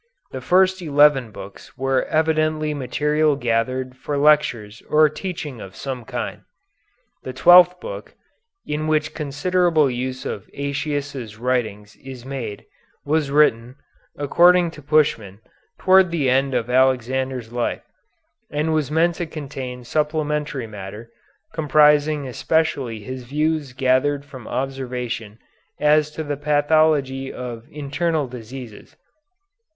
The first eleven books were evidently material gathered for lectures or teaching of some kind. The twelfth book, in which considerable use of Aëtius' writings is made, was written, according to Puschmann, toward the end of Alexander's life, and was meant to contain supplementary matter, comprising especially his views gathered from observation as to the pathology of internal diseases.